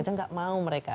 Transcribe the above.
saya nggak mau mereka